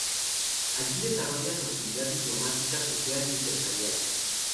Allí desarrolla su actividad diplomática, social y empresarial.